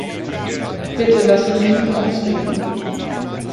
Bitte lassen Sie mich ausreden.